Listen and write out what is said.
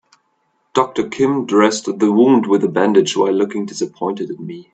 Doctor Kim dressed the wound with a bandage while looking disappointed at me.